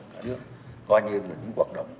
cả nước coi như những hoạt động